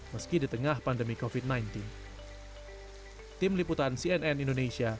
meski di tengah pandemi covid sembilan belas